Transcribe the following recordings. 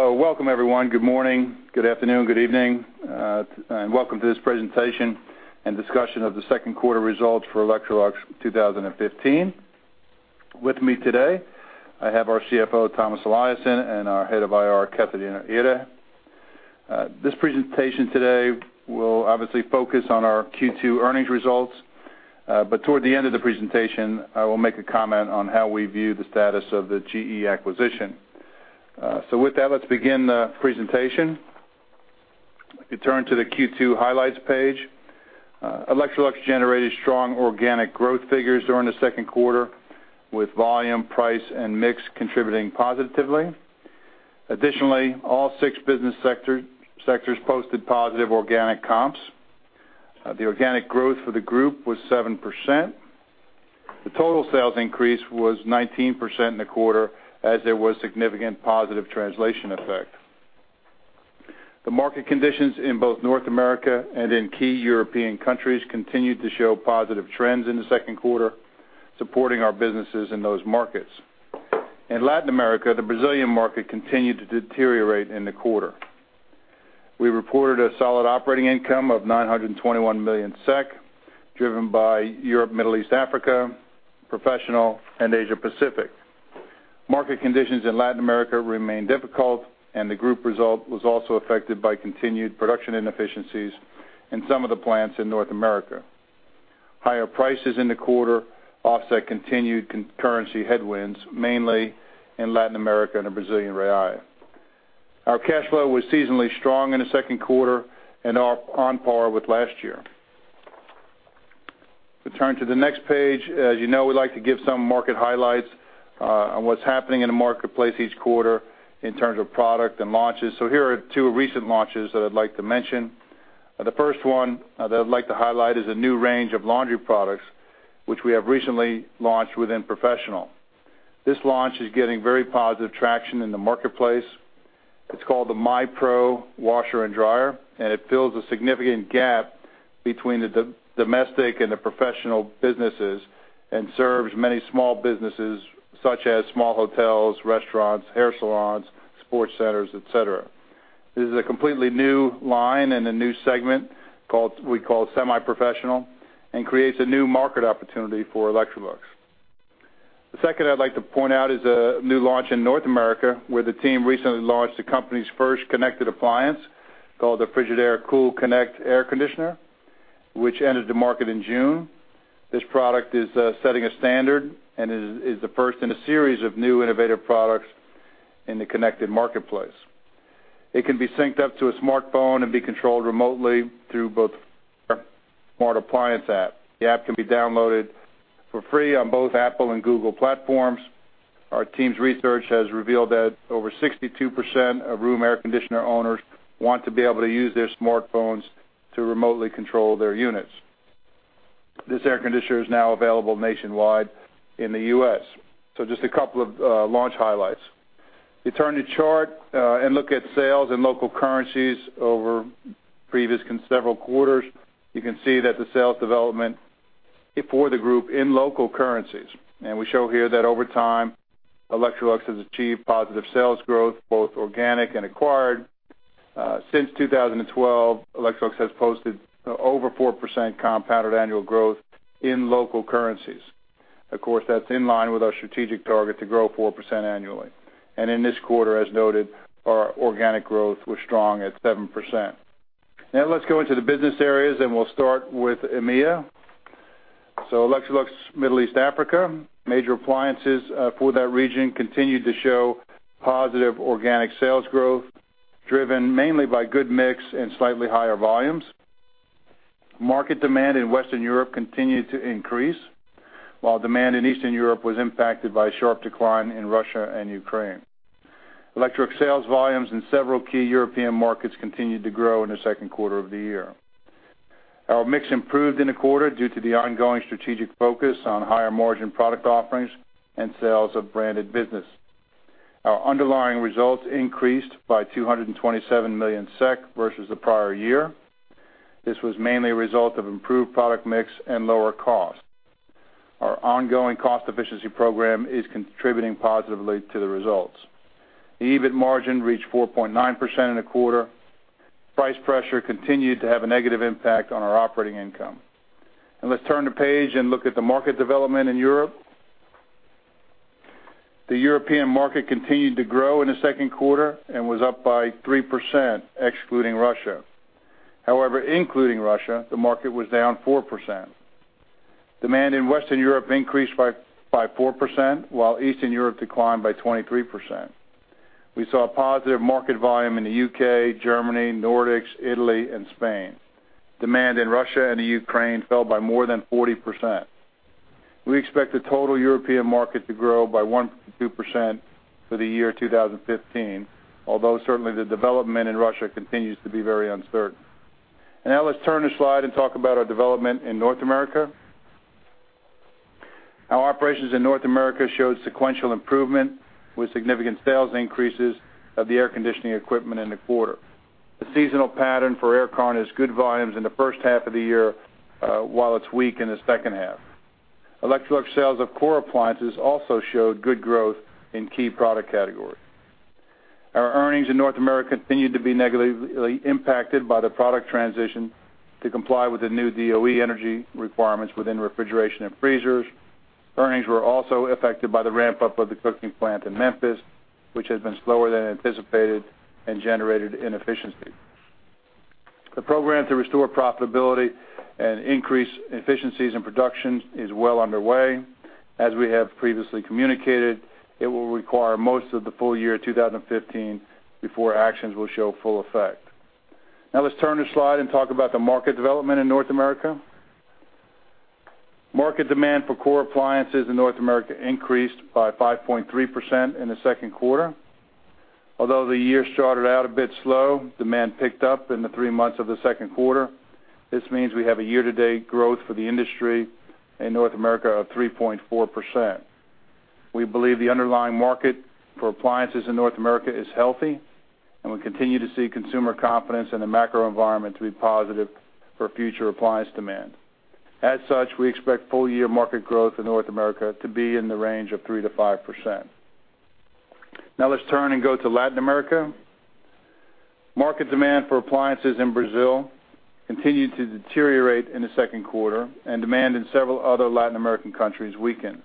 Hello. Welcome, everyone. Good morning, good afternoon, good evening, and welcome to this presentation and discussion of the second quarter results for Electrolux 2015. With me today, I have our CFO, Tomas Eliasson, and our Head of IR, Catarina Ihre. This presentation today will obviously focus on our Q2 earnings results, toward the end of the presentation, I will make a comment on how we view the status of the GE acquisition. With that, let's begin the presentation. If you turn to the Q2 highlights page, Electrolux generated strong organic growth figures during the second quarter, with volume, price, and mix contributing positively. Additionally, all six business sectors posted positive organic comps. The organic growth for the group was 7%. The total sales increase was 19% in the quarter as there was significant positive translation effect. The market conditions in both North America and in key European countries continued to show positive trends in the second quarter, supporting our businesses in those markets. In Latin America, the Brazilian market continued to deteriorate in the quarter. We reported a solid operating income of 921 million SEK, driven by Europe, Middle East, Africa, Professional, and Asia Pacific. Market conditions in Latin America remained difficult, and the group result was also affected by continued production inefficiencies in some of the plants in North America. Higher prices in the quarter offset continued currency headwinds, mainly in Latin America and the Brazilian Real. Our cash flow was seasonally strong in the second quarter and are on par with last year. If we turn to the next page, as you know, we like to give some market highlights on what's happening in the marketplace each quarter in terms of product and launches. Here are two recent launches that I'd like to mention. The first one that I'd like to highlight is a new range of laundry products, which we have recently launched within Professional. This launch is getting very positive traction in the marketplace. It's called the myPRO Washer and Dryer, and it fills a significant gap between the domestic and the professional businesses, and serves many small businesses such as small hotels, restaurants, hair salons, sports centers, et cetera. This is a completely new line and a new segment, we call semi-professional, and creates a new market opportunity for Electrolux. The second I'd like to point out is a new launch in North America, where the team recently launched the company's first connected appliance, called the Frigidaire Cool Connect Air Conditioner, which entered the market in June. This product is setting a standard and is the first in a series of new innovative products in the connected marketplace. It can be synced up to a smartphone and be controlled remotely through both smart appliance app. The app can be downloaded for free on both Apple and Google platforms. Our team's research has revealed that over 62% of room air conditioner owners want to be able to use their smartphones to remotely control their units. This air conditioner is now available nationwide in the U.S. Just a couple of launch highlights. If you turn to chart, and look at sales in local currencies over previous several quarters, you can see that the sales development for the group in local currencies. We show here that over time, Electrolux has achieved positive sales growth, both organic and acquired. Since 2012, Electrolux has posted over 4% compounded annual growth in local currencies. Of course, that's in line with our strategic target to grow 4% annually. In this quarter, as noted, our organic growth was strong at 7%. Now, let's go into the business areas, and we'll start with EMEA. Electrolux Middle East, Africa, major appliances for that region continued to show positive organic sales growth, driven mainly by good mix and slightly higher volumes. Market demand in Western Europe continued to increase, while demand in Eastern Europe was impacted by a sharp decline in Russia and Ukraine. Electrolux sales volumes in several key European markets continued to grow in the second quarter of the year. Our mix improved in the quarter due to the ongoing strategic focus on higher margin product offerings and sales of branded business. Our underlying results increased by 227 million SEK versus the prior year. This was mainly a result of improved product mix and lower cost. Our ongoing cost efficiency program is contributing positively to the results. The EBIT margin reached 4.9% in the quarter. Price pressure continued to have a negative impact on our operating income. Let's turn the page and look at the market development in Europe. The European market continued to grow in the second quarter and was up by 3%, excluding Russia. However, including Russia, the market was down 4%. Demand in Western Europe increased by 4%, while Eastern Europe declined by 23%. We saw a positive market volume in the UK, Germany, Nordics, Italy, and Spain. Demand in Russia and the Ukraine fell by more than 40%. We expect the total European market to grow by 1%-2% for the year 2015, although certainly the development in Russia continues to be very uncertain. Now let's turn the slide and talk about our development in North America. Our operations in North America showed sequential improvement, with significant sales increases of the air conditioning equipment in the quarter. The seasonal pattern for air con is good volumes in the first half of the year, while it's weak in the second half. Electrolux sales of core appliances also showed good growth in key product categories. Our earnings in North America continued to be negatively impacted by the product transition to comply with the new DOE energy requirements within refrigeration and freezers. Earnings were also affected by the ramp-up of the cooking plant in Memphis, which has been slower than anticipated and generated inefficiency. The program to restore profitability and increase efficiencies in production is well underway. As we have previously communicated, it will require most of the full year 2015 before actions will show full effect. Let's turn the slide and talk about the market development in North America. Market demand for core appliances in North America increased by 5.3% in the second quarter. The year started out a bit slow, demand picked up in the three months of the second quarter. This means we have a year-to-date growth for the industry in North America of 3.4%. We believe the underlying market for appliances in North America is healthy, and we continue to see consumer confidence in the macro environment to be positive for future appliance demand. As such, we expect full year market growth in North America to be in the range of 3%-5%. Let's turn and go to Latin America. Market demand for appliances in Brazil continued to deteriorate in the second quarter, and demand in several other Latin American countries weakened.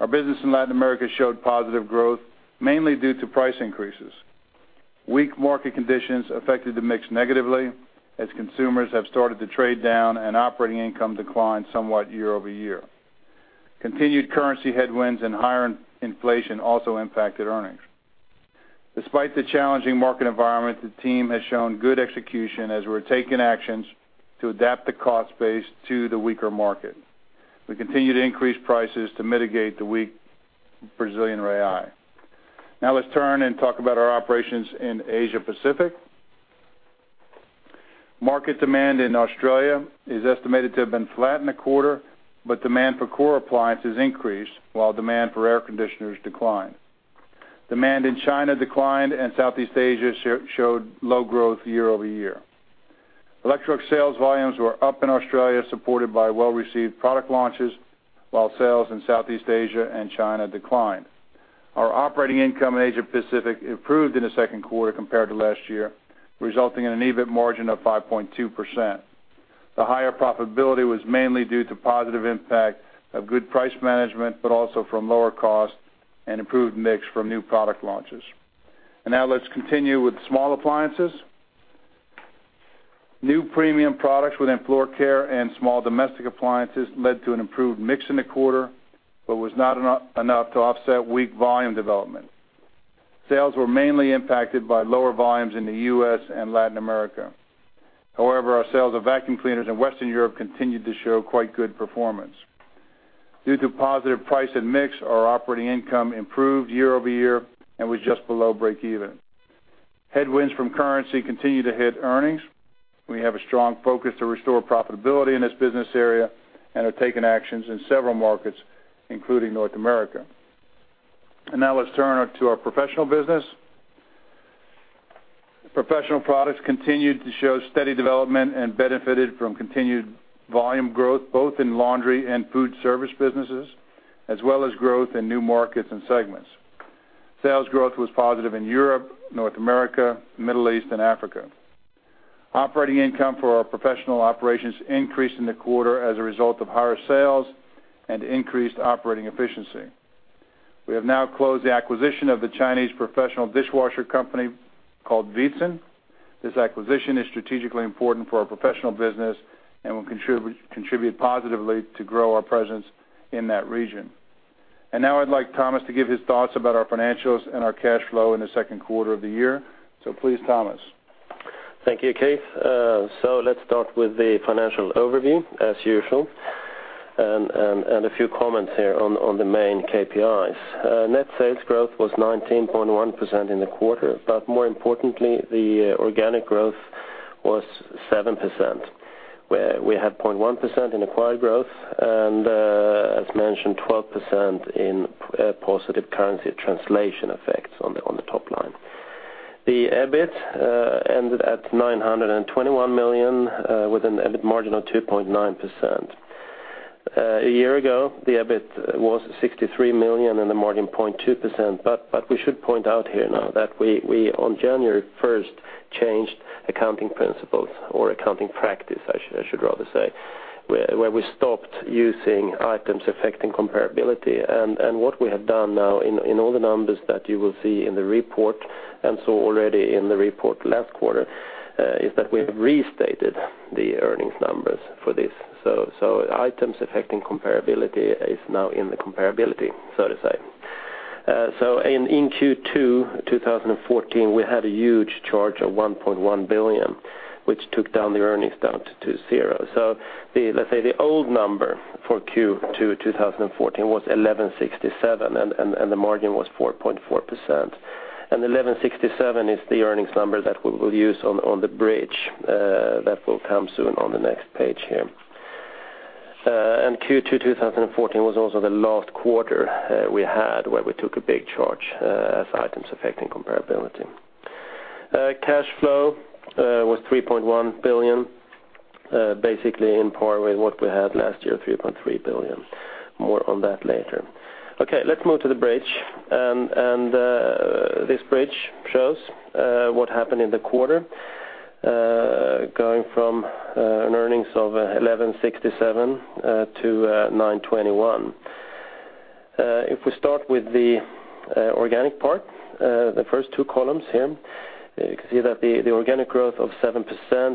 Our business in Latin America showed positive growth, mainly due to price increases. Weak market conditions affected the mix negatively, as consumers have started to trade down and operating income declined somewhat year-over-year. Continued currency headwinds and higher inflation also impacted earnings. Despite the challenging market environment, the team has shown good execution as we're taking actions to adapt the cost base to the weaker market. We continue to increase prices to mitigate the weak Brazilian real. Let's turn and talk about our operations in Asia Pacific. Market demand in Australia is estimated to have been flat in the quarter, but demand for core appliances increased while demand for air conditioners declined. Demand in China declined, and Southeast Asia showed low growth year-over-year. Electrolux sales volumes were up in Australia, supported by well-received product launches, while sales in Southeast Asia and China declined. Our operating income in Asia Pacific improved in the second quarter compared to last year, resulting in an EBIT margin of 5.2%. The higher profitability was mainly due to positive impact of good price management, also from lower cost and improved mix from new product launches. Now let's continue with small appliances. New premium products within floor care and small domestic appliances led to an improved mix in the quarter, but was not enough to offset weak volume development. Sales were mainly impacted by lower volumes in the U.S. and Latin America. However, our sales of vacuum cleaners in Western Europe continued to show quite good performance. Due to positive price and mix, our operating income improved year-over-year and was just below breakeven. Headwinds from currency continue to hit earnings. We have a strong focus to restore profitability in this business area and are taking actions in several markets, including North America. Now let's turn to our professional business. Professional products continued to show steady development and benefited from continued volume growth, both in laundry and food service businesses, as well as growth in new markets and segments. Sales growth was positive in Europe, North America, Middle East and Africa. Operating income for our professional operations increased in the quarter as a result of higher sales and increased operating efficiency. We have now closed the acquisition of the Chinese professional dishwasher company called Veetsan. This acquisition is strategically important for our professional business and will contribute positively to grow our presence in that region. Now I'd like Tomas to give his thoughts about our financials and our cash flow in the second quarter of the year. Please, Tomas. Thank you, Keith. Let's start with the financial overview, as usual, and a few comments here on the main KPIs. Net sales growth was 19.1% in the quarter, but more importantly, the organic growth was 7%, where we had 0.1% in acquired growth and, as mentioned, 12% in positive currency translation effects on the top line. The EBIT ended at 921 million with an EBIT margin of 2.9%. A year ago, the EBIT was 63 million, and the margin 0.2%. We should point out here now that we, on January 1st, changed accounting principles, or accounting practice, I should rather say, where we stopped using items affecting comparability. What we have done now in all the numbers that you will see in the report, and already in the report last quarter, is that we have restated the earnings numbers for this. Items affecting comparability is now in the comparability, so to say. In Q2 2014, we had a huge charge of 1.1 billion, which took down the earnings down to zero. The, let's say, the old number for Q2 2014 was 1,167, and the margin was 4.4%. 1,167 is the earnings number that we will use on the bridge that will come soon on the next page here. Q2 2014 was also the last quarter we had where we took a big charge as items affecting comparability. Cash flow was 3.1 billion, basically in par with what we had last year, 3.3 billion. More on that later. Okay, let's move to the bridge. This bridge shows what happened in the quarter, going from an earnings of 11.67 to 9.21. If we start with the organic part, the first two columns here, you can see that the organic growth of 7%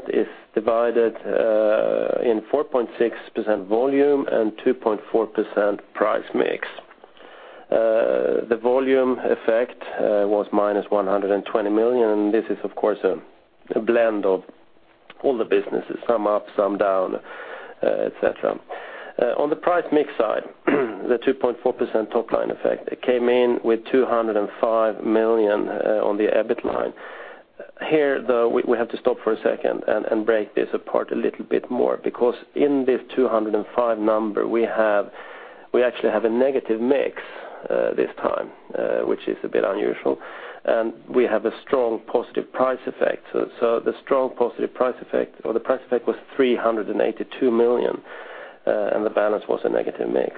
is divided in 4.6% volume and 2.4% price mix. The volume effect was minus 120 million, this is, of course, a blend of all the businesses, some up, some down, et cetera. On the price mix side, the 2.4% top line effect, it came in with 205 million on the EBIT line. Here, though, we have to stop for a second and break this apart a little bit more, because in this 205 number, we actually have a negative mix this time, which is a bit unusual. We have a strong positive price effect. The strong positive price effect, or the price effect, was 382 million, and the balance was a negative mix.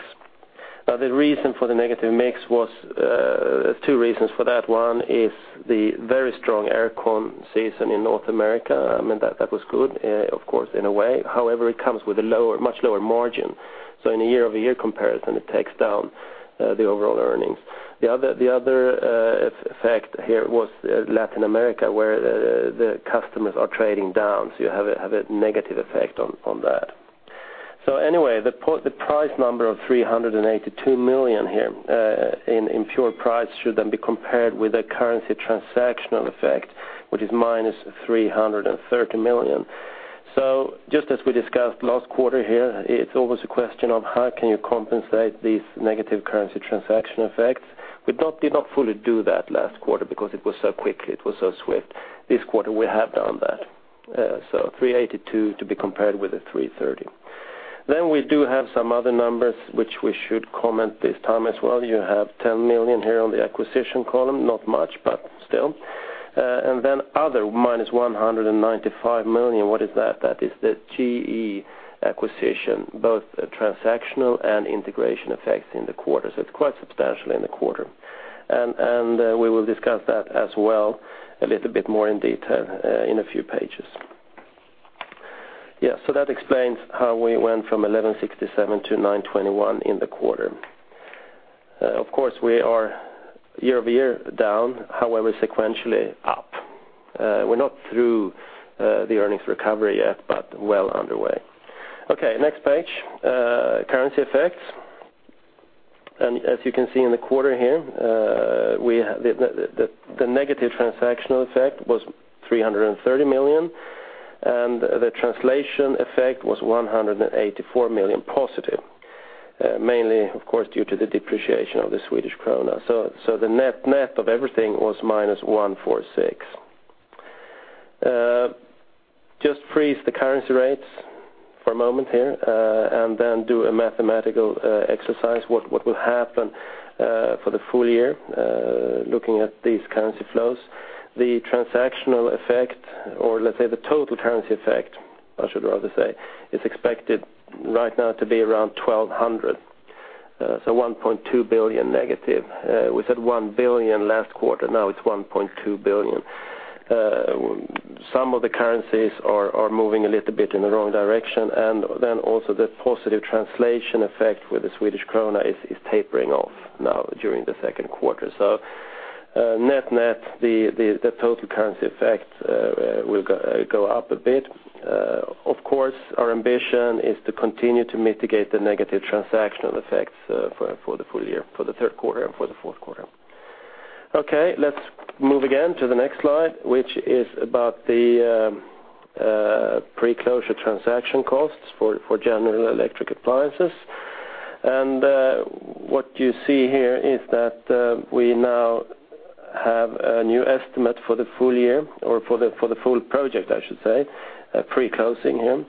The reason for the negative mix was two reasons for that. One is the very strong air con season in North America, that was good, of course, in a way. However, it comes with a lower, much lower margin. In a year-over-year comparison, it takes down the overall earnings. The other effect here was Latin America, where the customers are trading down, you have a negative effect on that. The price number of 382 million here in pure price should then be compared with a currency transactional effect, which is minus 330 million. Just as we discussed last quarter here, it's always a question of how can you compensate these negative currency transaction effects? We did not fully do that last quarter because it was so quickly, it was so swift. This quarter, we have done that. 382 to be compared with 330. We do have some other numbers which we should comment this time as well. You have 10 million here on the acquisition column, not much, but still. Other, minus 195 million. What is that? That is the GE acquisition, both transactional and integration effects in the quarter. It's quite substantial in the quarter. We will discuss that as well a little bit more in detail in a few pages. That explains how we went from 1,167 to 921 in the quarter. Of course, we are year-over-year down, however, sequentially up. We're not through the earnings recovery yet, but well underway. Okay, next page. Currency effects. As you can see in the quarter here, we have the negative transactional effect was 330 million, and the translation effect was 184 million positive, mainly, of course, due to the depreciation of the Swedish krona. The net of everything was minus 146. Just freeze the currency rates for a moment here, and then do a mathematical exercise, what will happen for the full year, looking at these currency flows. The transactional effect, or let's say the total currency effect, I should rather say, is expected right now to be around 1,200, so 1.2 billion negative. We said 1 billion last quarter, now it's 1.2 billion. Some of the currencies are moving a little bit in the wrong direction. Also, the positive translation effect with the Swedish krona is tapering off now during the second quarter. Net, net, the total currency effect will go up a bit. Of course, our ambition is to continue to mitigate the negative transactional effects for the full year, for the third quarter and for the fourth quarter. Okay, let's move again to the next slide, which is about the pre-closure transaction costs for General Electric Appliances. What you see here is that we now have a new estimate for the full year or for the full project, I should say, pre-closing here.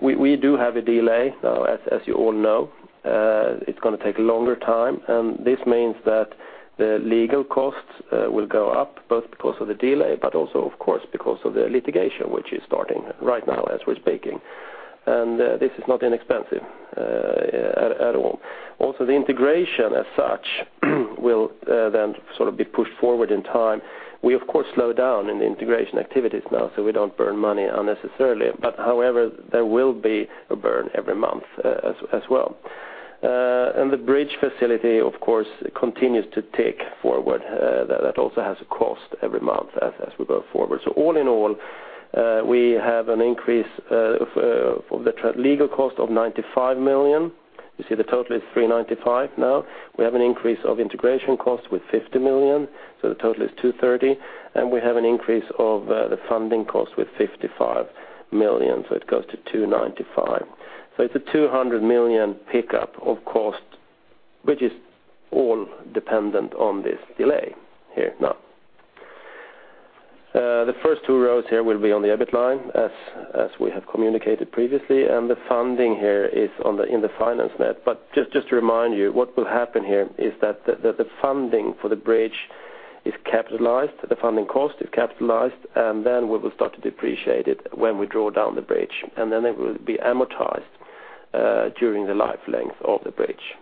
We do have a delay, though, as you all know. It's gonna take a longer time, and this means that the legal costs will go up, both because of the delay, but also, of course, because of the litigation, which is starting right now as we're speaking. This is not inexpensive at all. The integration as such, will then sort of be pushed forward in time. We, of course, slow down in the integration activities now, so we don't burn money unnecessarily. However, there will be a burn every month as well. The bridge facility, of course, continues to tick forward. That also has a cost every month as we go forward. All in all, we have an increase of for the legal cost of 95 million. You see the total is 395 million now. We have an increase of integration costs with 50 million, the total is 230, and we have an increase of the funding cost with 55 million, so it goes to 295. It's a 200 million pickup of cost, which is all dependent on this delay here now. The first two rows here will be on the EBIT line, as we have communicated previously, and the funding here is in the finance net. Just to remind you, what will happen here is that the funding for the bridge is capitalized, the funding cost is capitalized, and then we will start to depreciate it when we draw down the bridge, and then it will be amortized during the life length of the bridge.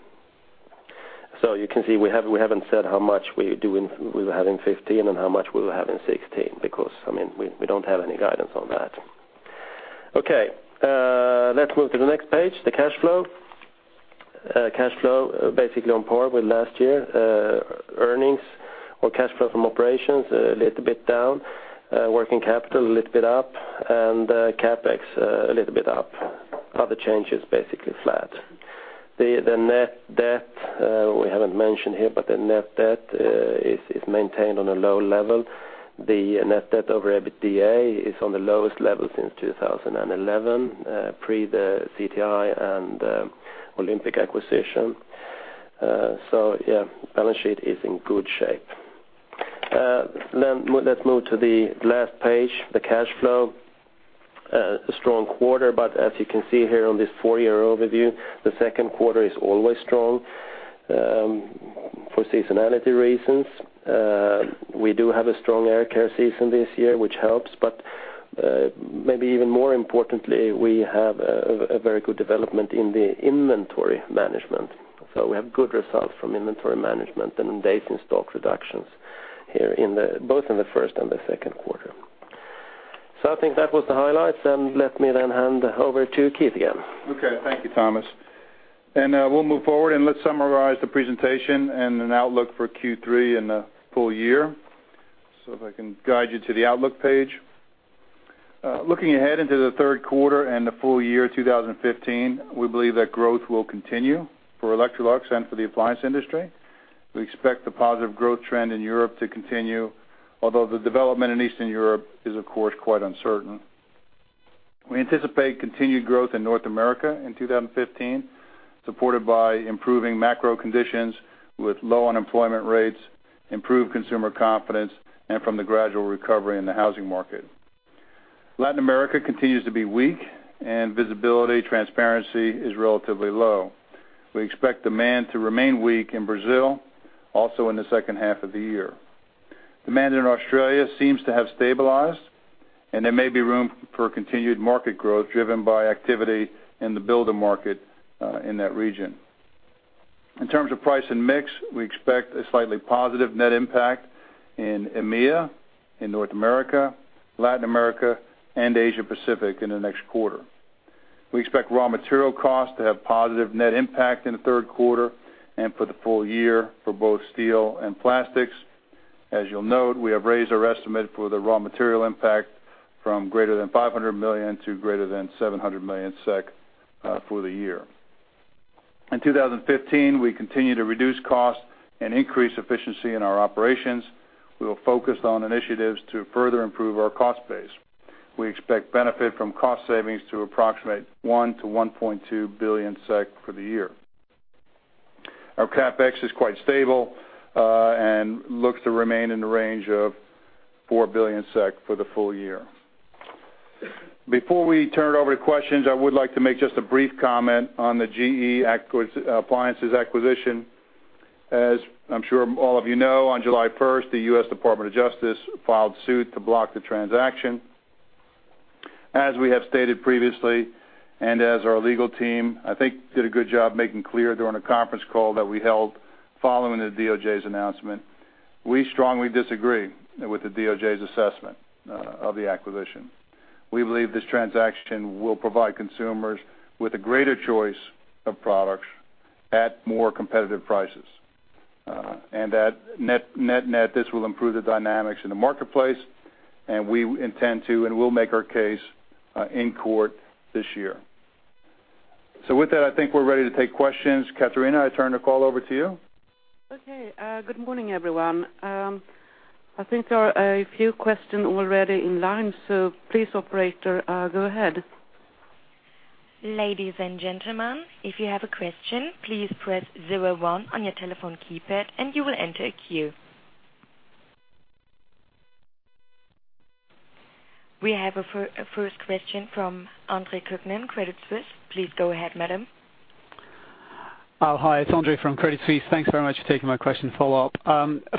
You can see we haven't said how much we will have in 2015 and how much we will have in 2016, because we don't have any guidance on that. Let's move to the next page, the cash flow. Cash flow, basically on par with last year. Earnings or cash flow from operations, a little bit down, working capital a little bit up, and CapEx a little bit up. Other changes, basically flat. The net debt we haven't mentioned here, but the net debt is maintained on a low level. The net debt over EBITDA is on the lowest level since 2011, pre the CTI and Olympic acquisition. Balance sheet is in good shape. Let's move to the last page, the cash flow. A strong quarter, as you can see here on this four-year overview, the second quarter is always strong, for seasonality reasons. We do have a strong air care season this year, which helps, but maybe even more importantly, we have a very good development in the inventory management. We have good results from inventory management and days in stock reductions here in both the first and the second quarter. I think that was the highlights, and let me then hand over to Keith again. Okay, thank you, Tomas. We'll move forward, let's summarize the presentation and an outlook for Q3 and the full year. If I can guide you to the outlook page. Looking ahead into the third quarter and the full year 2015, we believe that growth will continue for Electrolux and for the appliance industry. We expect the positive growth trend in Europe to continue, although the development in Eastern Europe is, of course, quite uncertain. We anticipate continued growth in North America in 2015, supported by improving macro conditions with low unemployment rates, improved consumer confidence, and from the gradual recovery in the housing market. Latin America continues to be weak. Visibility, transparency is relatively low. We expect demand to remain weak in Brazil, also in the second half of the year. Demand in Australia seems to have stabilized, and there may be room for continued market growth, driven by activity in the builder market in that region. In terms of price and mix, we expect a slightly positive net impact in EMEA, in North America, Latin America, and Asia Pacific in the next quarter. We expect raw material costs to have positive net impact in the third quarter and for the full year for both steel and plastics. As you'll note, we have raised our estimate for the raw material impact from greater than 500 million to greater than 700 million SEK for the year. In 2015, we continue to reduce costs and increase efficiency in our operations. We are focused on initiatives to further improve our cost base. We expect benefit from cost savings to approximate 1 billion-1.2 billion SEK for the year. Our CapEx is quite stable, and looks to remain in the range of 4 billion SEK for the full year. Before we turn it over to questions, I would like to make just a brief comment on the GE acquisition, Appliances acquisition. As I'm sure all of you know, on July 1, the U.S. Department of Justice filed suit to block the transaction. As we have stated previously, and as our legal team, I think, did a good job making clear during a conference call that we held following the DOJ's announcement, we strongly disagree with the DOJ's assessment of the acquisition. We believe this transaction will provide consumers with a greater choice of products at more competitive prices, and that net, net, this will improve the dynamics in the marketplace, and we intend to, and will make our case in court this year. With that, I think we're ready to take questions. Catarina, I turn the call over to you. Okay, good morning, everyone. I think there are a few questions already in line. Please, operator, go ahead. Ladies and gentlemen, if you have a question, please press zero one on your telephone keypad, and you will enter a queue. We have a first question from Andre Kukhnin, Credit Suisse. Please go ahead, madam. Hi, it's Andre from Credit Suisse. Thanks very much for taking my question follow-up.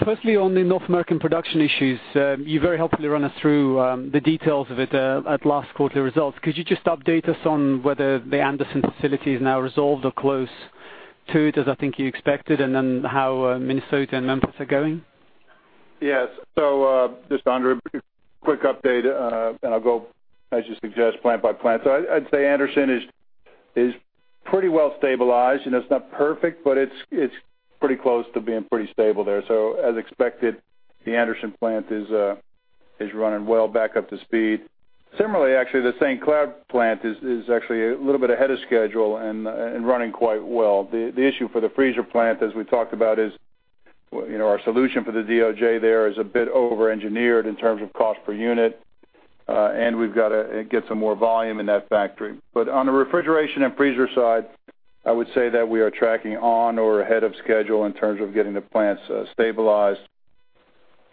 Firstly, on the North American production issues, you very helpfully ran us through the details of it at last quarterly results. Could you just update us on whether the Anderson facility is now resolved or close to it, as I think you expected, and then how Minnesota and Memphis are going? Yes. Just Andre, quick update, and I'll go, as you suggest, plant by plant. I'd say Anderson is pretty well stabilized, and it's not perfect, but it's pretty close to being pretty stable there. As expected, the Anderson plant is running well back up to speed. Similarly, actually, the St. Cloud plant is actually a little bit ahead of schedule and running quite well. The issue for the freezer plant, as we talked about, is, you know, our solution for the DOJ there is a bit over-engineered in terms of cost per unit, and we've got to get some more volume in that factory. On the refrigeration and freezer side, I would say that we are tracking on or ahead of schedule in terms of getting the plants stabilized.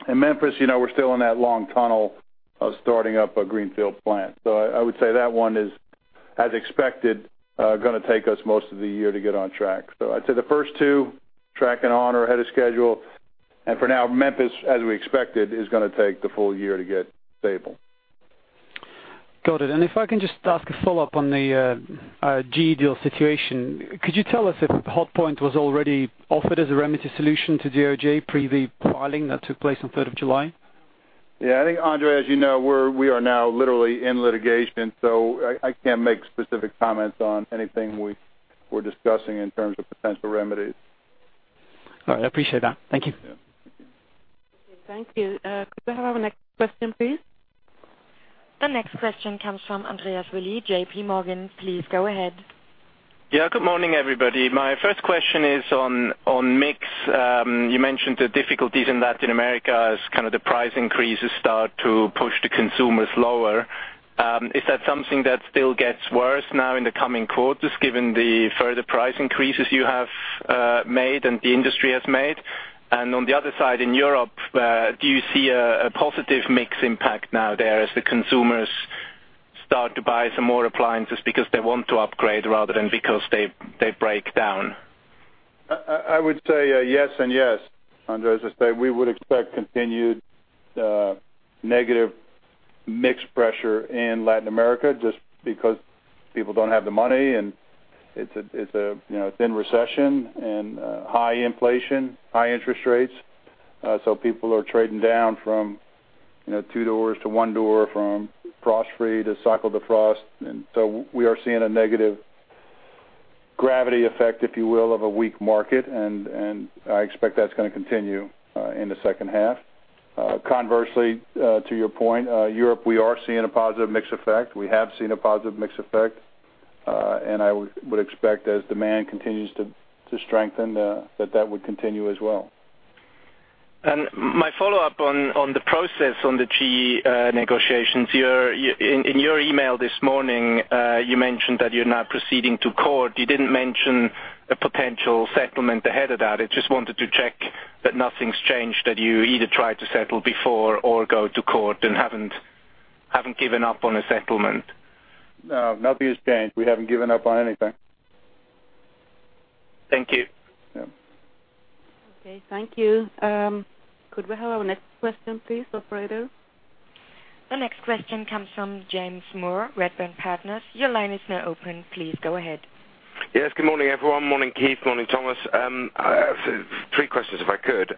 In Memphis, you know, we're still in that long tunnel of starting up a greenfield plant. I would say that one as expected, gonna take us most of the year to get on track. I'd say the first two, tracking on or ahead of schedule, and for now, Memphis, as we expected, is gonna take the full year to get stable. Got it. If I can just ask a follow-up on the GE deal situation. Could you tell us if Hotpoint was already offered as a remedy solution to DOJ pre the filing that took place on 3rd of July? Yeah, I think, Andre, as you know, we are now literally in litigation, I can't make specific comments on anything we were discussing in terms of potential remedies. All right, I appreciate that. Thank you. Yeah. Okay, thank you. Could I have our next question, please? The next question comes from Andreas Willi, J.P. Morgan. Please go ahead. Yeah, good morning, everybody. My first question is on mix. You mentioned the difficulties in Latin America as kind of the price increases start to push the consumers lower. Is that something that still gets worse now in the coming quarters, given the further price increases you have made and the industry has made? On the other side, in Europe, do you see a positive mix impact now there as the consumers start to buy some more appliances because they want to upgrade rather than because they break down? I would say, yes and yes, Andre. As I say, we would expect continued, negative mix pressure in Latin America just because people don't have the money, and it's a, you know, it's in recession and, high inflation, high interest rates. So people are trading down from, you know, two doors to one door, from frost free to cycle defrost. We are seeing a negative gravity effect, if you will, of a weak market, and I expect that's gonna continue in the second half. Conversely, to your point, Europe, we are seeing a positive mix effect. We have seen a positive mix effect, and I would expect as demand continues to strengthen, that would continue as well. My follow-up on the process, on the GE negotiations. In your email this morning, you mentioned that you're now proceeding to court. You didn't mention a potential settlement ahead of that. I just wanted to check that nothing's changed, that you either tried to settle before or go to court and haven't given up on a settlement. No, nothing has changed. We haven't given up on anything. Thank you. Yeah. Okay, thank you. Could we have our next question, please, operator? The next question comes from James Moore, Redburn Partners. Your line is now open. Please go ahead. Yes, good morning, everyone. Morning, Keith, morning, Tomas. Three questions, if I could.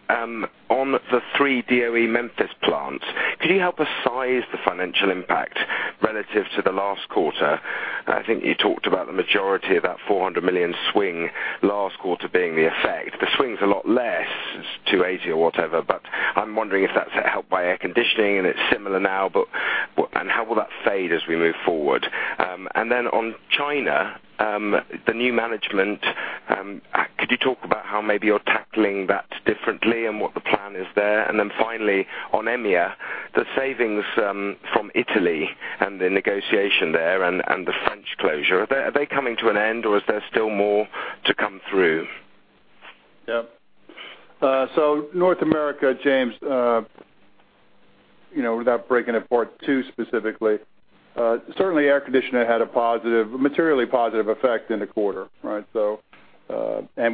On the 3 DOE Memphis plants, could you help us size the financial impact relative to the last quarter? I think you talked about the majority of that $400 million swing last quarter being the effect. The swing's a lot less, it's $280 or whatever, but I'm wondering if that's helped by air conditioning and it's similar now, but what and how will that fade as we move forward? On China, the new management, could you talk about how maybe you're tackling that differently and what the plan is there? Finally, on EMEA, the savings, from Italy and the negotiation there and the French closure, are they coming to an end, or is there still more to come through? North America, James, you know, without breaking it apart too specifically, certainly air conditioner had a positive, materially positive effect in the quarter, right?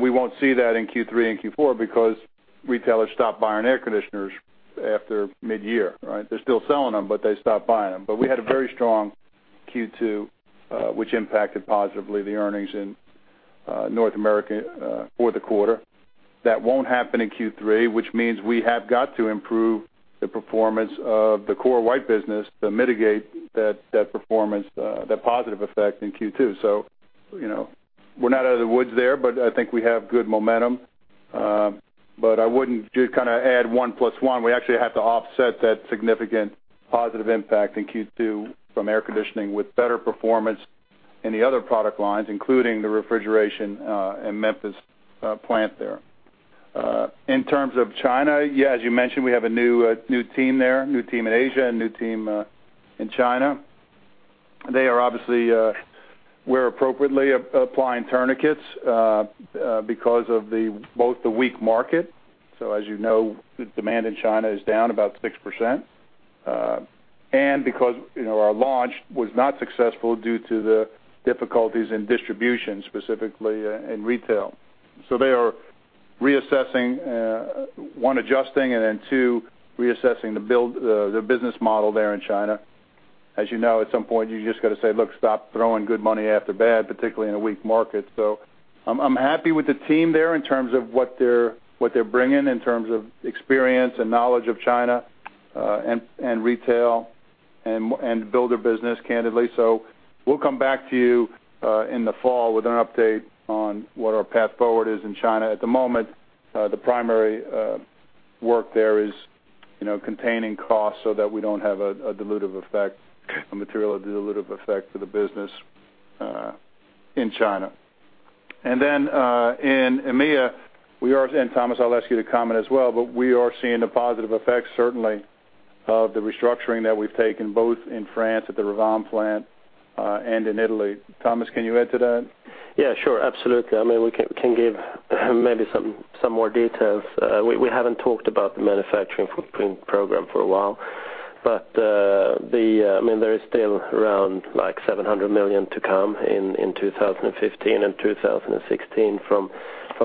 We won't see that in Q3 and Q4 because retailers stopped buying air conditioners after mid-year, right? They're still selling them, but they stopped buying them. We had a very strong Q2, which impacted positively the earnings in North America for the quarter. That won't happen in Q3, which means we have got to improve the performance of the core white business to mitigate that performance, that positive effect in Q2. You know, we're not out of the woods there, but I think we have good momentum. I wouldn't just kind of add one plus one. We actually have to offset that significant positive impact in Q2 from air conditioning with better performance in the other product lines, including the refrigeration, and Memphis plant there. In terms of China, as you mentioned, we have a new team there, new team in Asia, a new team in China. They are obviously, we're appropriately applying tourniquets because of the, both the weak market. As you know, the demand in China is down about 6%, and because, you know, our launch was not successful due to the difficulties in distribution, specifically in retail. They are reassessing, one, adjusting, and then two, reassessing the business model there in China. As you know, at some point, you just got to say, "Look, stop throwing good money after bad," particularly in a weak market. I'm happy with the team there in terms of what they're bringing, in terms of experience and knowledge of China, and retail, and builder business, candidly. We'll come back to you in the fall with an update on what our path forward is in China. At the moment, the primary work there is, you know, containing costs so that we don't have a dilutive effect, a material dilutive effect to the business in China. In EMEA, and Tomas, I'll ask you to comment as well, but we are seeing the positive effects, certainly, of the restructuring that we've taken, both in France at the Revin plant, and in Italy. Tomas, can you add to that? Yeah, sure, absolutely. I mean, we can give maybe some more details. We haven't talked about the manufacturing footprint program for a while, but, I mean, there is still around like 700 million to come in 2015 and 2016 from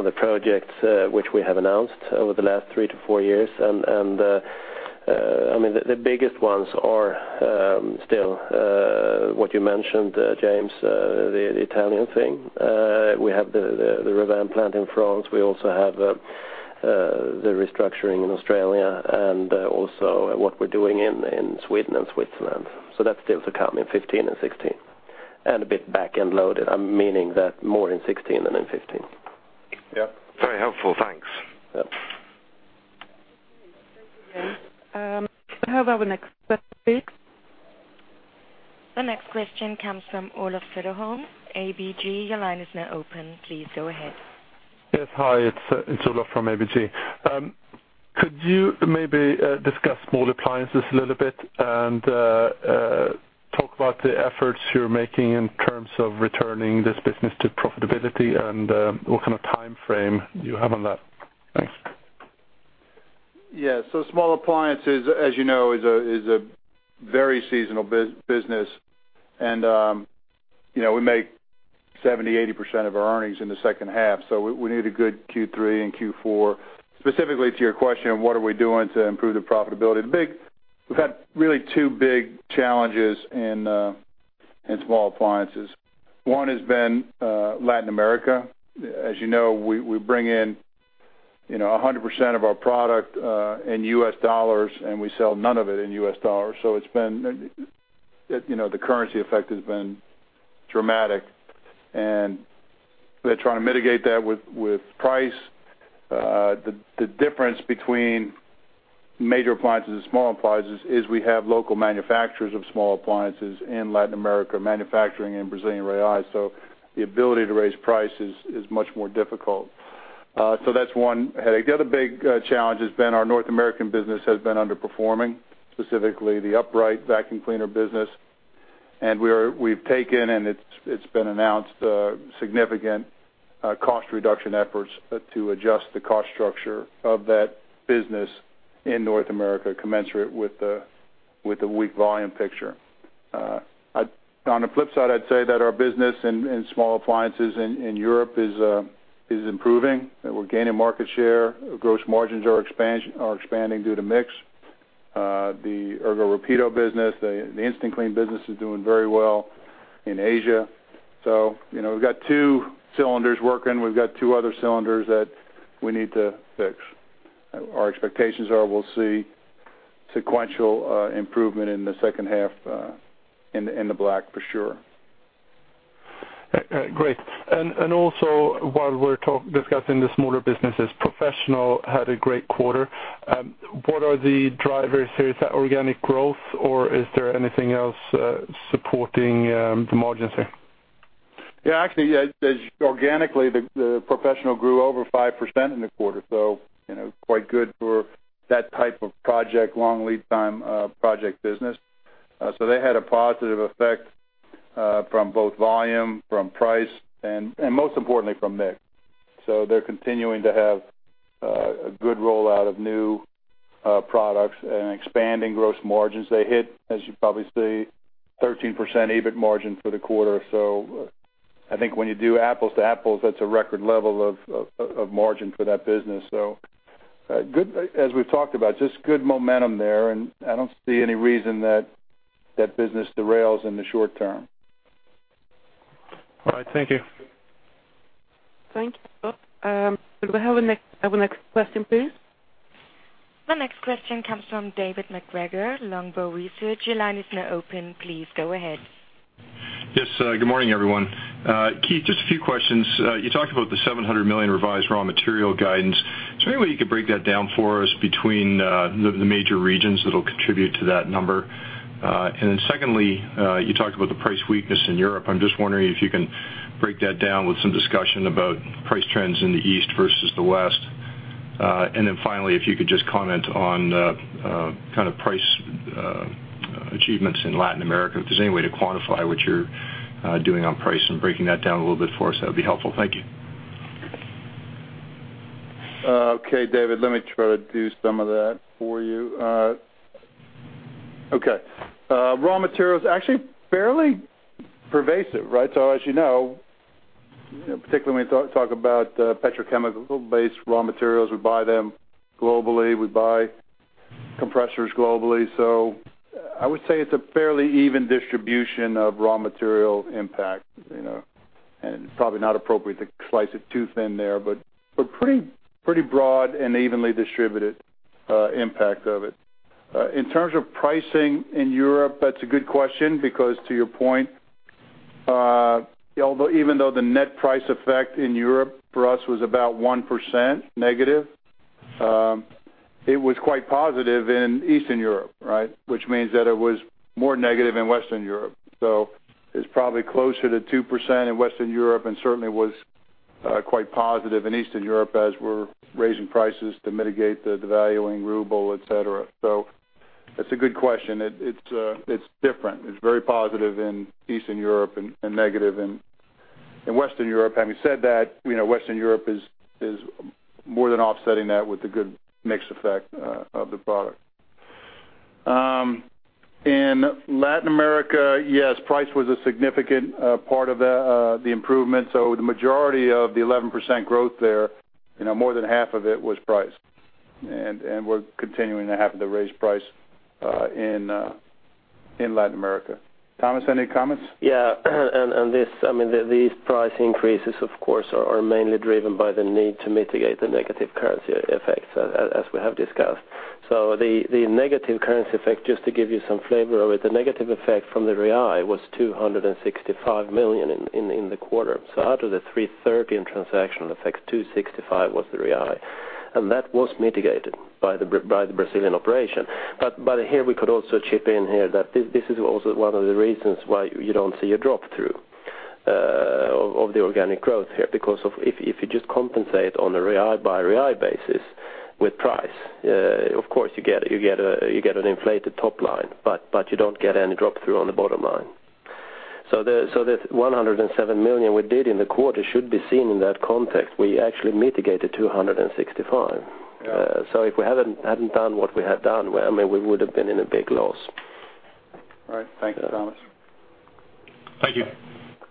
the projects which we have announced over the last three to four years. I mean, the biggest ones are, still, what you mentioned, James, the Italian thing. We have the Revin plant in France. We also have the restructuring in Australia and also what we're doing in Sweden and Switzerland. So that's still to come in 2015 and 2016, and a bit back-end loaded. I'm meaning that more in 2016 than in 2015. Yep, very helpful. Thanks. Yep. Can I have our next question, please? The next question comes from Olof Anderholm, ABG. Your line is now open. Please go ahead. Yes, hi, it's Olof from ABG. Could you maybe discuss small appliances a little bit and talk about the efforts you're making in terms of returning this business to profitability and what kind of time frame you have on that? Thanks. Yeah. Small appliances, as you know, is a very seasonal business. you know, we make 70%, 80% of our earnings in the second half, so we need a good Q3 and Q4. Specifically to your question, what are we doing to improve the profitability? We've had really two big challenges in small appliances. One has been Latin America. As you know, we bring in, you know, 100% of our product in US dollars, and we sell none of it in US dollars. It's been, you know, the currency effect has been dramatic, and we're trying to mitigate that with price. The difference between major appliances and small appliances is we have local manufacturers of small appliances in Latin America, manufacturing in Brazilian reais, so the ability to raise prices is much more difficult. That's one headache. The other big challenge has been our North American business has been underperforming, specifically the upright vacuum cleaner business. We've taken, and it's been announced, significant cost reduction efforts to adjust the cost structure of that business in North America, commensurate with the weak volume picture. On the flip side, I'd say that our business in small appliances in Europe is improving. We're gaining market share. Gross margins are expanding due to mix. The Ergorapido business, the Instant Clean business is doing very well in Asia. You know, we've got two cylinders working. We've got 2 other cylinders that we need to fix. Our expectations are we'll see sequential improvement in the second half, in the black, for sure. Great. Also, while we're discussing the smaller businesses, Professional had a great quarter. What are the drivers here? Is that organic growth, or is there anything else supporting the margins here? Yeah, actually, yeah, organically, the Professional grew over 5% in the quarter, so, you know, quite good for that type of project, long lead time, project business. They had a positive effect from both volume, from price, and most importantly, from mix. They're continuing to have a good rollout of new products and expanding gross margins. They hit, as you probably see, 13% EBIT margin for the quarter. I think when you do apples to apples, that's a record level of margin for that business. Good as we've talked about, just good momentum there, and I don't see any reason that that business derails in the short term. All right. Thank you. Thank you, Olof. Could we have our next question, please? The next question comes from David MacGregor, Longbow Research. Your line is now open. Please go ahead. Yes, good morning, everyone. Keith, just a few questions. You talked about the 700 million revised raw material guidance. Is there any way you could break that down for us between the major regions that'll contribute to that number? Secondly, you talked about the price weakness in Europe. I'm just wondering if you can break that down with some discussion about price trends in the East versus the West. Finally, if you could just comment on kind of price achievements in Latin America, if there's any way to quantify what you're doing on price and breaking that down a little bit for us, that would be helpful. Thank you. Okay, David, let me try to do some of that for you. Okay. Raw materials, actually fairly pervasive, right? As you know, particularly when we talk about petrochemical-based raw materials, we buy them globally, we buy compressors globally. I would say it's a fairly even distribution of raw material impact, you know, and probably not appropriate to slice it too thin there, but pretty broad and evenly distributed impact of it. In terms of pricing in Europe, that's a good question because to your point, even though the net price effect in Europe for us was about 1% negative, it was quite positive in Eastern Europe, right? Which means that it was more negative in Western Europe. It's probably closer to 2% in Western Europe and certainly was quite positive in Eastern Europe as we're raising prices to mitigate the devaluing ruble, et cetera. That's a good question. It's different. It's very positive in Eastern Europe and negative in Western Europe. Having said that, you know, Western Europe is more than offsetting that with the good mix effect of the product. In Latin America, yes, price was a significant part of the improvement. The majority of the 11% growth there, you know, more than half of it was price. And we're continuing to have to raise price in Latin America. Thomas, any comments? I mean, these price increases, of course, are mainly driven by the need to mitigate the negative currency effects, as we have discussed. The negative currency effect, just to give you some flavor of it, the negative effect from the real was 265 million in the quarter. Out of the 330 million in transactional effects, 265 million was the real. That was mitigated by the Brazilian operation. Here we could also chip in here that this is also one of the reasons why you don't see a drop through of the organic growth here. If you just compensate on a Brazilian Real by Brazilian Real basis with price, of course, you get an inflated top line, but you don't get any drop through on the bottom line. The 107 million we did in the quarter should be seen in that context. We actually mitigated 265. Yeah. If we hadn't done what we had done, well, I mean, we would have been in a big loss. All right. Thank you, Tomas. Thank you.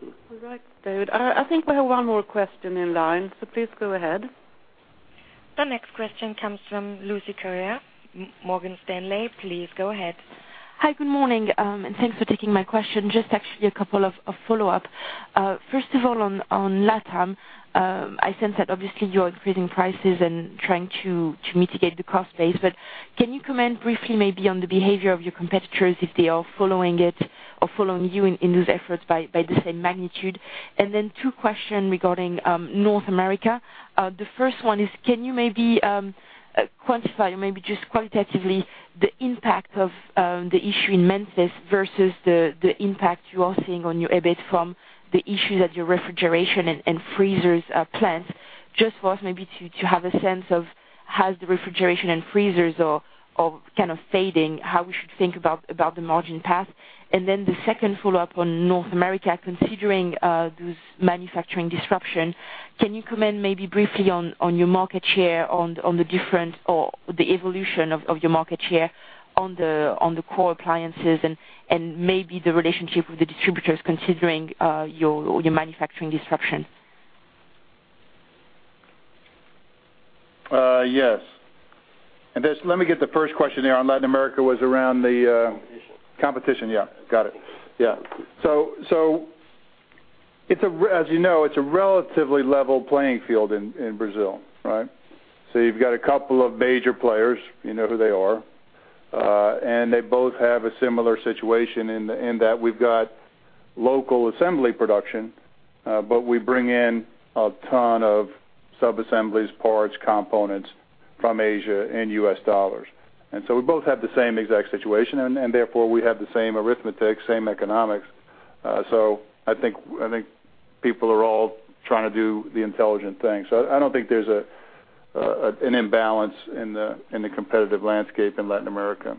All right, David. I think we have one more question in line. Please go ahead. The next question comes from Lucie Carrier, Morgan Stanley. Please go ahead. Hi, good morning. Thanks for taking my question. Just actually a couple of follow-up. First of all, on Latam, I sense that obviously you are increasing prices and trying to mitigate the cost base. Can you comment briefly, maybe on the behavior of your competitors, if they are following it or following you in those efforts by the same magnitude? Then two question regarding North America. The first one is, can you maybe quantify or maybe just qualitatively the impact of the issue in Memphis versus the impact you are seeing on your EBIT from the issues at your refrigeration and freezers plants? Just was maybe to have a sense of has the refrigeration and freezers are kind of fading, how we should think about the margin path? The second follow-up on North America, considering those manufacturing disruption, can you comment maybe briefly on your market share, on the different or the evolution of your market share on the core appliances and maybe the relationship with the distributors considering your manufacturing disruption? yes. Let me get the first question there on Latin America was around the. Competition. Competition. Yeah, got it. Yeah. It's as you know, it's a relatively level playing field in Brazil, right? You've got a couple of major players, you know who they are, and they both have a similar situation in that we've got local assembly production, but we bring in a ton of subassemblies, parts, components from Asia in US dollars. We both have the same exact situation, and therefore, we have the same arithmetic, same economics. I think people are all trying to do the intelligent thing. I don't think there's an imbalance in the competitive landscape in Latin America.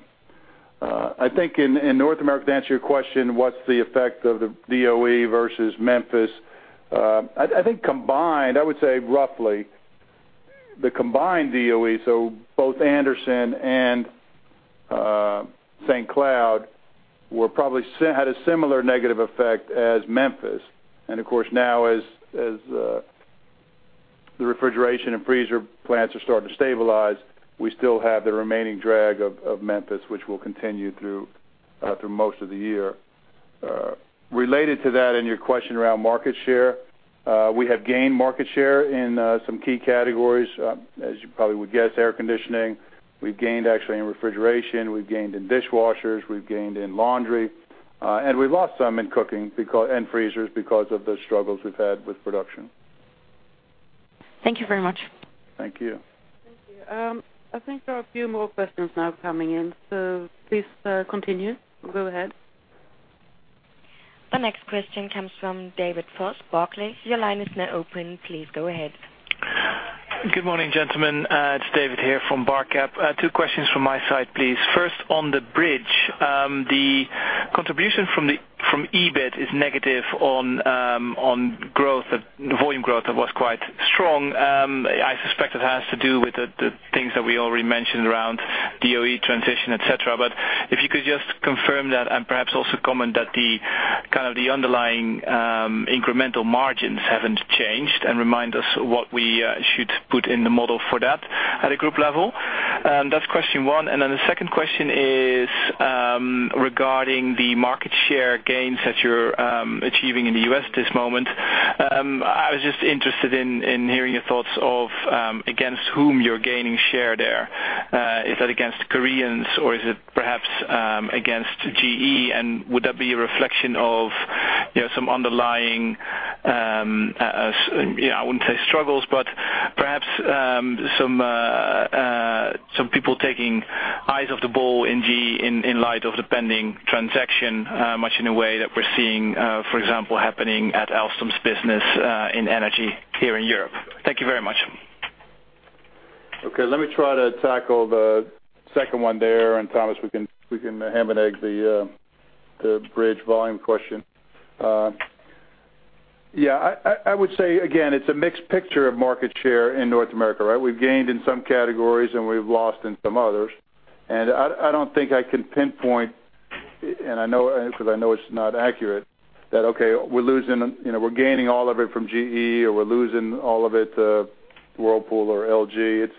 I think in North America, to answer your question, what's the effect of the DOE versus Memphis? I think combined, I would say roughly the combined DOE, so both Anderson and St. Cloud were probably had a similar negative effect as Memphis. Of course, now as the refrigeration and freezer plants are starting to stabilize, we still have the remaining drag of Memphis, which will continue through most of the year. Related to that, in your question around market share, we have gained market share in some key categories. As you probably would guess, air conditioning. We've gained actually in refrigeration, we've gained in dishwashers, we've gained in laundry, and we've lost some in cooking and freezers, because of the struggles we've had with production. Thank you very much. Thank you. Thank you. I think there are a few more questions now coming in, so please, continue. Go ahead. The next question comes from David Frost, Barclays. Your line is now open. Please go ahead. Good morning, gentlemen. It's David here from BarCap. Two questions from my side, please. First, on the bridge, the contribution from the, from EBIT is negative on growth, the volume growth was quite strong. I suspect it has to do with the things that we already mentioned around DOE transition, et cetera. If you could just confirm that and perhaps also comment that the kind of the underlying, incremental margins haven't changed and remind us what we should put in the model for that at a group level. That's question one. The second question is regarding the market share gains that you're achieving in the U.S. this moment. I was just interested in hearing your thoughts of, against whom you're gaining share there. Is that against Koreans, or is it perhaps, against GE? Would that be a reflection of, you know, some underlying, you know, I wouldn't say struggles, but perhaps, some people taking eyes of the ball in GE in light of the pending transaction, much in a way that we're seeing, for example, happening at Alstom's business, in energy here in Europe. Thank you very much. Okay, let me try to tackle the second one there. Tomas, we can ham and egg the bridge volume question. Yeah, I would say again, it's a mixed picture of market share in North America, right? We've gained in some categories, and we've lost in some others. I don't think I can pinpoint, and I know, 'cause I know it's not accurate, that okay, we're losing, you know, we're gaining all of it from GE, or we're losing all of it to Whirlpool or LG. It's,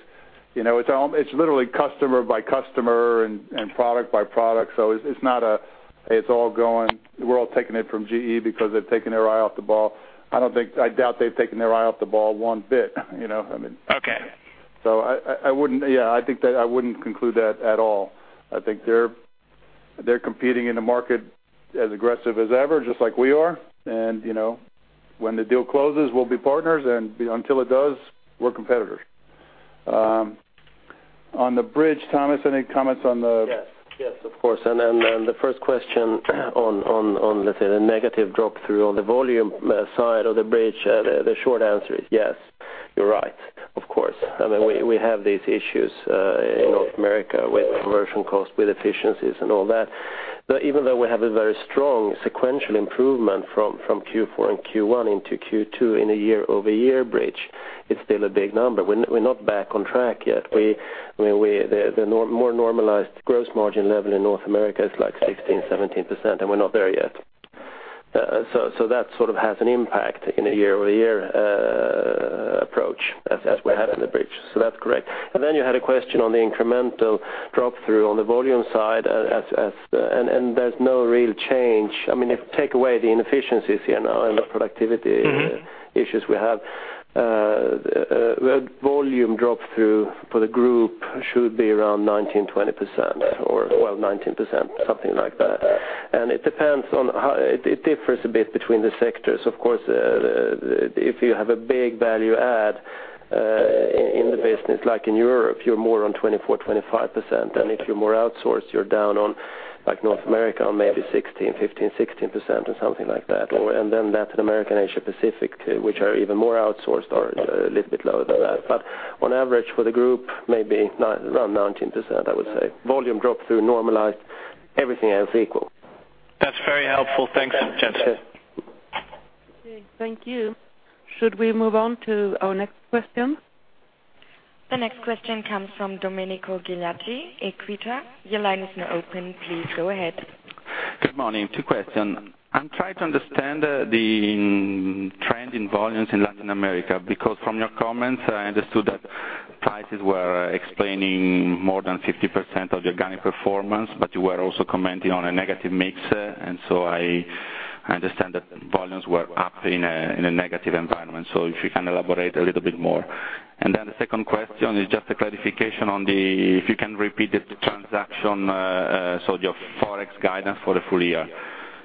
you know, it's literally customer by customer and product by product. It's not a, it's all going, we're all taking it from GE because they've taken their eye off the ball. I doubt they've taken their eye off the ball one bit, you know what I mean? Okay. I wouldn't, yeah, I think that I wouldn't conclude that at all. I think they're competing in the market as aggressive as ever, just like we are. you know, when the deal closes, we'll be partners, and until it does, we're competitors. on the bridge, Tomas, any comments on. Yes. Yes, of course. Then the first question on, let's say, the negative drop-through on the volume side of the bridge, the short answer is yes, you're right. Of course. I mean, we have these issues in North America with conversion costs, with efficiencies and all that. Even though we have a very strong sequential improvement from Q4 and Q1 into Q2 in a year-over-year bridge, it's still a big number. We're not back on track yet. The more normalized gross margin level in North America is like 16%, 17%, and we're not there yet. That sort of has an impact in a year-over-year approach as we have in the bridge. That's correct. Then you had a question on the incremental drop-through on the volume side as, and there's no real change. I mean, if you take away the inefficiencies, you know, and the productivit Issues we have, volume drop-through for the group should be around 19%-20%, or well, 19%, something like that. It depends on how... It differs a bit between the sectors. Of course, if you have a big value add, in the business, like in Europe, you're more on 24%-25%. And if you're more outsourced, you're down on, like North America, on maybe 16%, 15%, 16% or something like that. Or and then Latin America and Asia Pacific, which are even more outsourced, are a little bit lower than that. But on average, for the group, around 19%, I would say. Volume drop-through normalized, everything else equal. That's very helpful. Thanks, gentlemen. Okay. Thank you. Should we move on to our next question? The next question comes from Domenico Gigliotti, Equita. Your line is now open. Please go ahead. Good morning. Two question. I'm trying to understand the trend in volumes in Latin America, because from your comments, I understood that prices were explaining more than 50% of the organic performance, but you were also commenting on a negative mix. I understand that volumes were up in a negative environment. If you can elaborate a little bit more. The second question is just a clarification on the, if you can repeat the transaction, so your Forex guidance for the full year,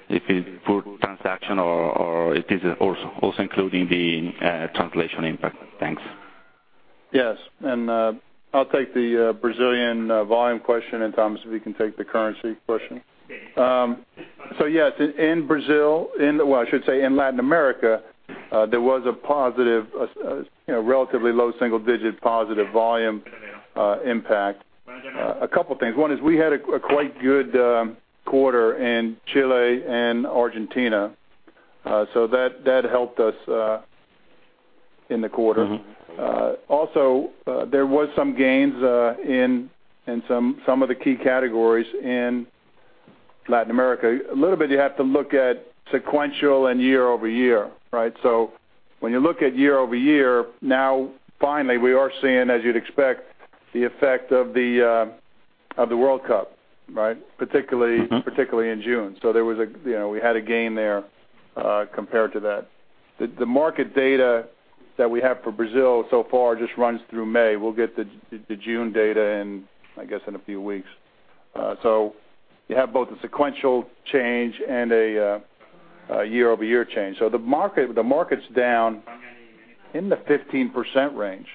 if it's for transaction or it is also including the translation impact. Thanks. Yes, I'll take the Brazilian volume question, and Tomas, if you can take the currency question. Yes, in Brazil, in the... Well, I should say in Latin America, there was a positive, you know, relatively low single digit positive volume impact. A couple of things. One is we had a quite good quarter in Chile and Argentina, so that helped us in the quarter. Mm-hmm. Also, there was some gains in some of the key categories in Latin America. A little bit, you have to look at sequential and year-over-year, right? When you look at year-over-year, now, finally, we are seeing, as you'd expect, the effect of the World Cup, right? Mm-hmm. particularly in June. There was a, you know, we had a gain there compared to that. The market data that we have for Brazil so far just runs through May. We'll get the June data in, I guess, in a few weeks. You have both a sequential change and a year-over-year change. The market's down in the 15% range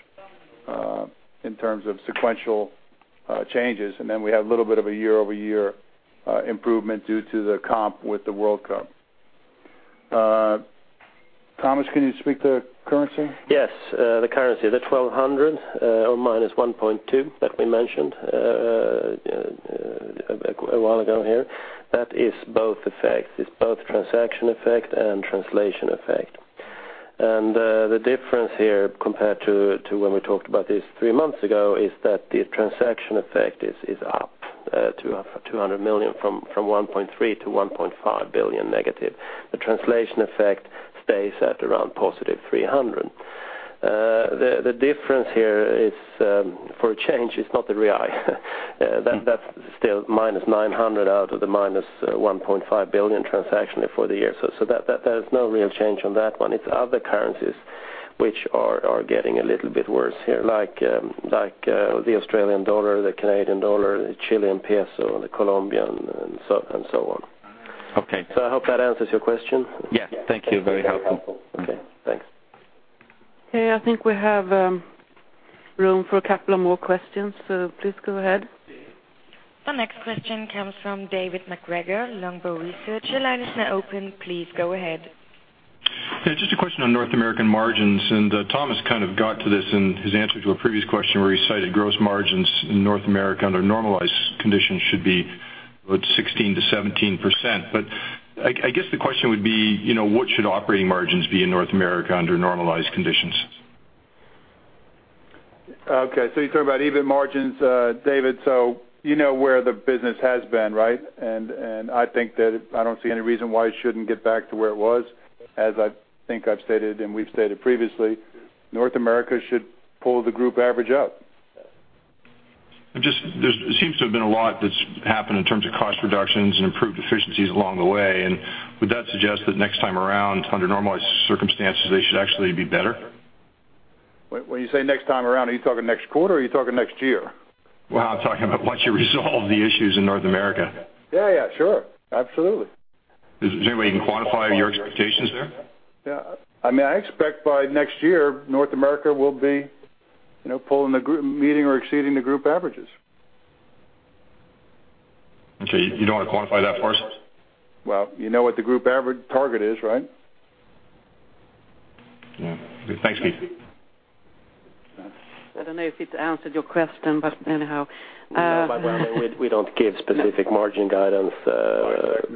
in terms of sequential changes, and then we have a little bit of a year-over-year improvement due to the comp with the World Cup. Tomas, can you speak to currency? Yes, the currency, the 1.2 billion, or -SEK 1.2 billion that we mentioned a while ago here, that is both effect. It's both transaction effect and translation effect. The difference here, compared to when we talked about this 3 months ago, is that the transaction effect is up to 200 million, from 1.3 billion to 1.5 billion negative. The translation effect stays at around +300 million. The difference here is, for a change, it's not the Brazilian real. That's still -900 million out of the -1.5 billion transaction for the year. There's no real change on that one. It's other currencies which are getting a little bit worse here, like the Australian dollar, the Canadian dollar, the Chilean peso, the Colombian, and so on and so on. Okay. I hope that answers your question. Yes. Thank you. Very helpful. Okay, thanks. Okay, I think we have room for a couple of more questions, so please go ahead. The next question comes from David MacGregor, Longbow Research. Your line is now open. Please go ahead. Yeah, just a question on North American margins. Tomas kind of got to this in his answer to a previous question, where he cited gross margins in North America under normalized conditions should be about 16%-17%. I guess the question would be, you know, what should operating margins be in North America under normalized conditions? Okay, you're talking about EBIT margins, David, so you know where the business has been, right? I think that I don't see any reason why it shouldn't get back to where it was. As I think I've stated and we've stated previously, North America should pull the group average up. There seems to have been a lot that's happened in terms of cost reductions and improved efficiencies along the way, and would that suggest that next time around, under normalized circumstances, they should actually be better? When you say next time around, are you talking next quarter or are you talking next year? Well, I'm talking about once you resolve the issues in North America. Yeah, yeah, sure. Absolutely. Is there any way you can quantify your expectations there? Yeah. I mean, I expect by next year, North America will be, you know, pulling the group, meeting or exceeding the group averages. Okay. You don't want to quantify that for us? Well, you know what the group average target is, right? Yeah. Thanks, Keith. I don't know if it answered your question, but anyhow. We don't give specific margin guidance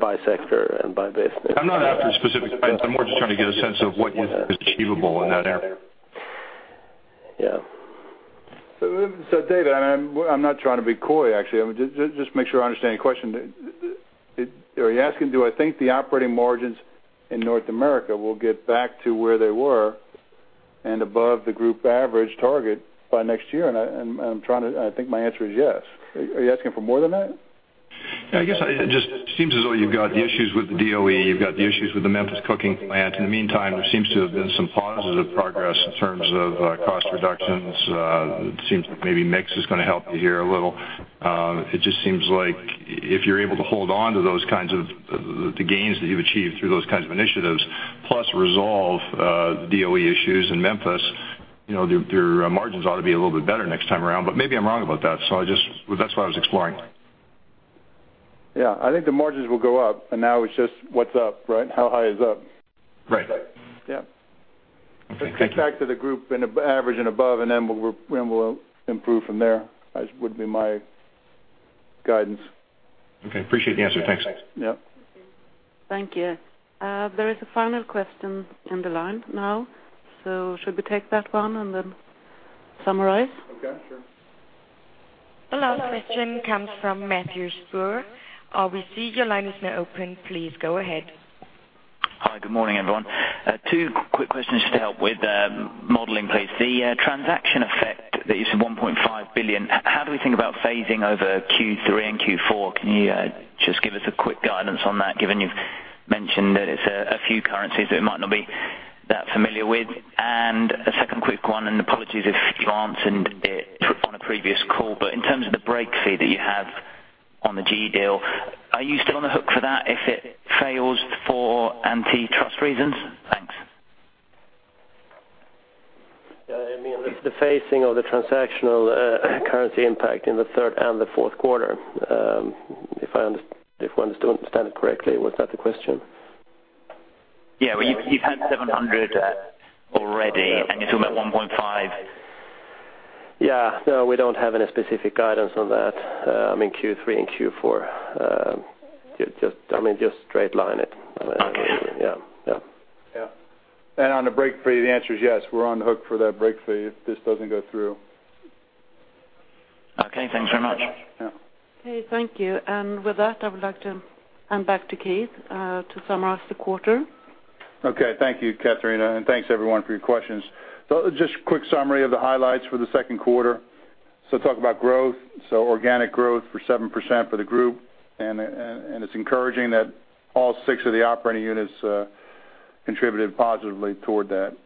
by sector and by business. I'm not after specific, I'm more just trying to get a sense of what is achievable in that area. Yeah. David, I'm not trying to be coy, actually. Just make sure I understand your question. Are you asking, do I think the operating margins in North America will get back to where they were and above the group average target by next year? I think my answer is yes. Are you asking for more than that? I guess, I just seems as though you've got the issues with the DOE, you've got the issues with the Memphis cooking plant. In the meantime, there seems to have been some pauses of progress in terms of cost reductions. It seems maybe mix is going to help you here a little. It just seems like if you're able to hold on to those kinds of gains that you've achieved through those kinds of initiatives, plus resolve the DOE issues in Memphis, you know, your margins ought to be a little bit better next time around, but maybe I'm wrong about that. I just... That's what I was exploring. Yeah, I think the margins will go up. Now it's just what's up, right? How high is up? Right. Yeah. Okay, thank you. Get back to the group and average and above, and then we'll improve from there, as would be my guidance. Okay, appreciate the answer. Thanks. Yeah. Thank you. There is a final question in the line now. Should we take that one and then summarize? Okay, sure. The last question comes from Matthew Spurr, RBC. Your line is now open. Please go ahead. Hi, good morning, everyone. Two quick questions just to help with modeling, please. The transaction effect that you said, $1.5 billion, how do we think about phasing over Q3 and Q4? Can you just give us a quick guidance on that, given you've mentioned that it's a few currencies that we might not be that familiar with? A second quick one, and apologies if you answered it on a previous call, but in terms of the break fee that you have on the GE deal, are you still on the hook for that if it fails for antitrust reasons? Thanks. Yeah, I mean, the phasing of the transactional currency impact in the third and the fourth quarter, if I understand it correctly, was that the question? Yeah, well, you've had 700 already, and you're talking about 1.5. Yeah. No, we don't have any specific guidance on that, I mean, Q3 and Q4. Just, I mean, just straight line it. Okay. Yeah. Yeah. Yeah. On the break fee, the answer is yes, we're on the hook for that break fee if this doesn't go through. Okay, thanks very much. Yeah. Okay, thank you. With that, I would like to hand back to Keith, to summarize the quarter. Thank you, Catrina, and thanks, everyone, for your questions. Just a quick summary of the highlights for the second quarter. Talk about growth, so organic growth for 7% for the group, and it's encouraging that all six of the operating units contributed positively toward that.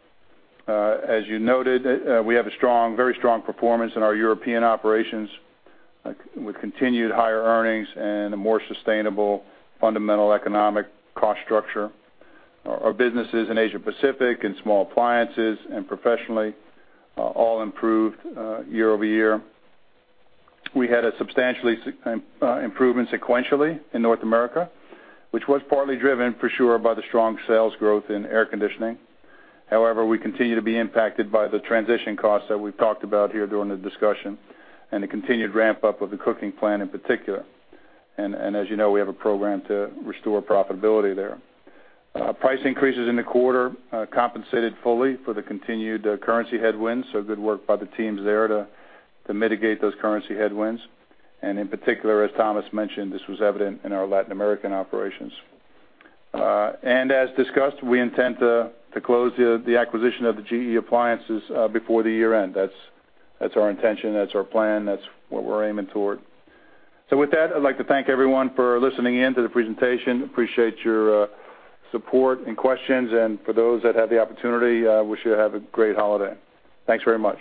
As you noted, we have a strong, very strong performance in our European operations, with continued higher earnings and a more sustainable fundamental economic cost structure. Our businesses in Asia Pacific, in small appliances and professionally, all improved year-over-year. We had a substantially improvement sequentially in North America, which was partly driven, for sure, by the strong sales growth in air conditioning. We continue to be impacted by the transition costs that we've talked about here during the discussion and the continued ramp-up of the cooking plant in particular. As you know, we have a program to restore profitability there. Price increases in the quarter compensated fully for the continued currency headwinds, good work by the teams there to mitigate those currency headwinds. In particular, as Tomas mentioned, this was evident in our Latin American operations. As discussed, we intend to close the acquisition of the GE Appliances before the year end. That's our intention, that's our plan, that's what we're aiming toward. With that, I'd like to thank everyone for listening in to the presentation. Appreciate your support and questions, and for those that have the opportunity, wish you to have a great holiday. Thanks very much.